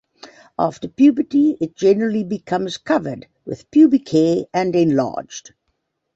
After puberty, it generally becomes covered with pubic hair and enlarged.